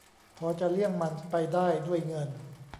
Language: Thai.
พอจะเลี่ยงมันไปได้ ด้วยเงิน